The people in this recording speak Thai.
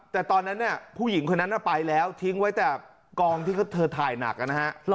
แต่ตอนนั้นเนี่ยผู้หญิงคนนั้นไปแล้วทิ้งไว้แต่กองที่เธอถ่ายหนักนะฮะ